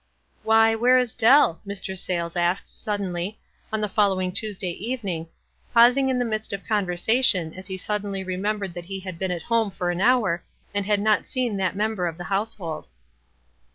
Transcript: "Why, where is Dell?" Mr. Sayles asked, suddenly, on the following Tuesday evening, pausing in the midst of conversation, as he sud denly remembered that he had been at home for an hour and had not seen that member of the household.